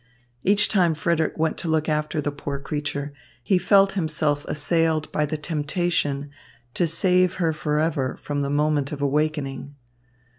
Each time Frederick went to look after the poor creature, he felt himself assailed by the temptation to save her forever from the moment of awakening.